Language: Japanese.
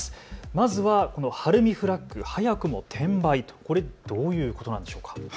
まずはこの晴海フラッグ早くも転売、どういうことなんでしょうか。